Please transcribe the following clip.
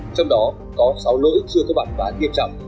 trong đó có sáu lỗi chưa có bạn